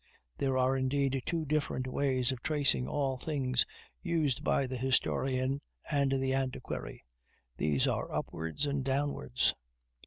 There are indeed two different ways of tracing all things used by the historian and the antiquary; these are upwards and downwards.